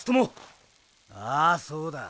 ああそうだ。